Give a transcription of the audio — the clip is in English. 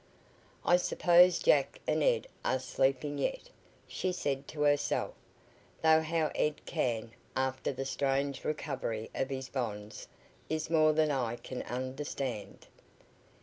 "I suppose Jack and Ed are sleeping yet," she said to herself, "though how Ed can, after the strange recovery of his bonds, is more than I can understand."